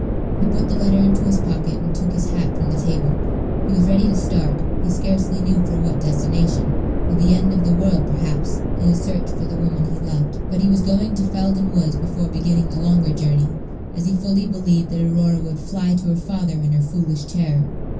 He put the letter into his pocket, and took his hat from the table. He was ready to start he scarcely knew for what destination; for the end of the world, perhaps in his search for the woman he loved. But he was going to Felden Woods before beginning the longer journey, as he fully believed that Aurora would fly to her father in her foolish terror.